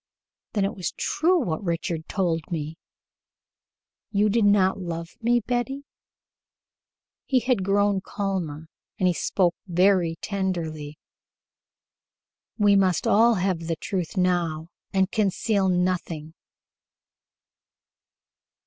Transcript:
"Then it was true what Richard told me? You did not love me, Betty?" He had grown calmer, and he spoke very tenderly. "We must have all the truth now and conceal nothing."